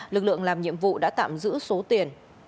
lực lượng làm nhiệm vụ đã tạm giữ số tiền